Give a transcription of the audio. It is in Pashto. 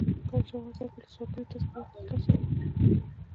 کله چې افغانستان کې ولسواکي وي تذکره اخیستل اسانه وي.